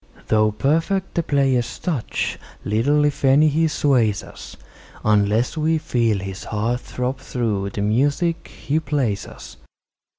Though perfect the player's touch, little, if any, he sways us, Unless we feel his heart throb through the music he plays us.